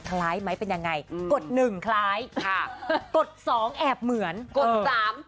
คล้ายไหมเป็นยังไงอืมกฎหนึ่งคล้ายค่ะกฎสองแอบเหมือนกฎสาม